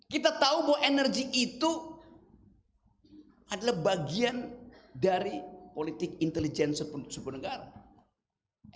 kita tahu bahwa energi itu adalah bagian dari politik intelijen sebuah negara